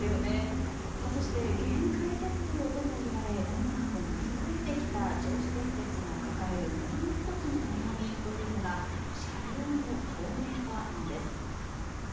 そして限界鉄道ともいわれ困難を乗り越えてきた銚子電鉄が抱えるもう１つの悩みというのが車両の高齢化なんです。